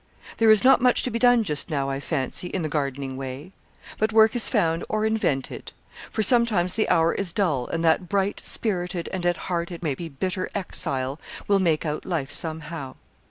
There is not much to be done just now, I fancy, in the gardening way; but work is found or invented for sometimes the hour is dull, and that bright, spirited, and at heart, it may be, bitter exile, will make out life somehow.